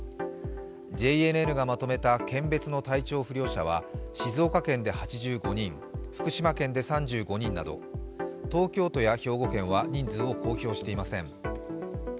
ＪＮＮがまとめた県別の体調不良者は静岡県で８５人、福島県で３５人など東京都や兵庫県は人数を公表していません。